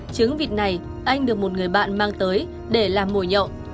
trứng vịt này anh được một người bạn mang tới để làm mồi nhậu